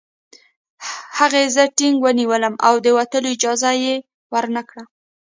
هغې زه ټینګ ونیولم او د وتلو اجازه یې ورنکړه